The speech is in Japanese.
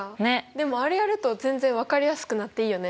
でもあれやると全然分かりやすくなっていいよね。